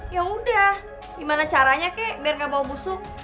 ya udah bagaimana caranya kek biar tidak bau busuk